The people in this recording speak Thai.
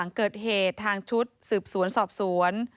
แล้วพี่ก็เอาสร้อยมาด้วย